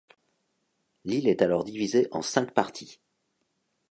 L'île est alors divisée en cinq parties.